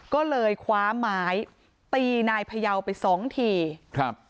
ก็เลยคว้าไม้ตีนายพยาวไปสองทีครับ